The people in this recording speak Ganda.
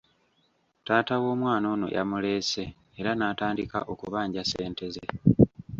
Taata w'omwana ono yamuleese era n'atandika okubanja ssente ze.